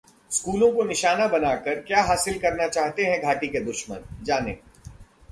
स्कूलों को निशाना बनाकर क्या हासिल करना चाहते हैं घाटी के दुश्मन, जानें